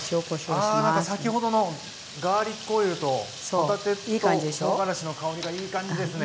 あなんか先ほどのガーリックオイルと帆立てととうがらしの香りがいい感じですね。